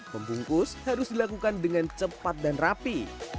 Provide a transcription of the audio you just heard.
membungkus harus dilakukan dengan cepat dan rapi